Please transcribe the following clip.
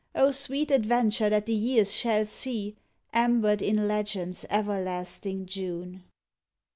O sweet adventure that the years shall see, Ambered in legend s everlasting June!